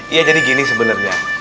iya jadi gini sebenarnya